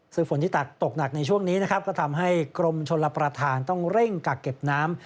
ซึ่งฝนที่ตักตกหนักในช่วงนี้นะครับก็ทำให้กรมชลประธานต้องเร่งกักเก็บน้ำ